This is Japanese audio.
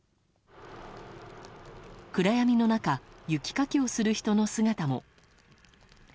暗闇の中雪かきをする人の姿も。